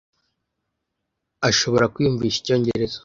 Ashobora kwiyumvisha icyongereza.